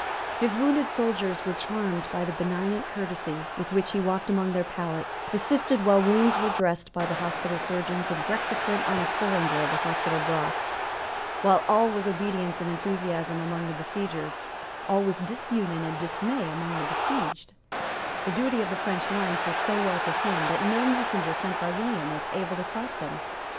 His wounded soldiers were charmed by the benignant courtesy with which he walked among their pallets, assisted while wounds were dressed by the hospital surgeons, and breakfasted on a porringer of the hospital broth. While all was obedience and enthusiasm among the besiegers, all was disunion and dismay among the besieged. The duty of the French lines was so well performed that no messenger sent by William was able to cross them.